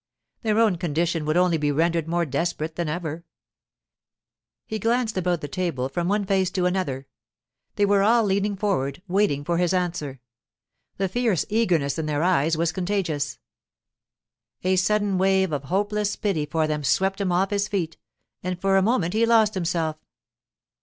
Their own condition would only be rendered more desperate than ever. He glanced about the table from one face to another. They were all leaning forward, waiting for his answer. The fierce eagerness in their eyes was contagious. A sudden wave of hopeless pity for them swept him off his feet, and for a moment he lost himself.